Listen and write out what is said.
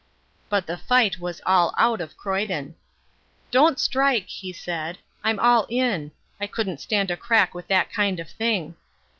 But the fight was all out of Croyden. "Don't strike," he said, "I'm all in. I couldn't stand a crack with that kind of thing."